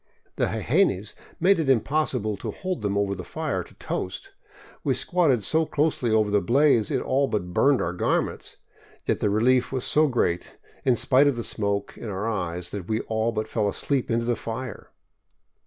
The jejenes made it impossible to hold them over the fire to toast. We squatted so closely over the blaze it all but burned our garments, yet the relief was so great, in spite of the smoke in our eyes, that we all but fell asleep into the fire.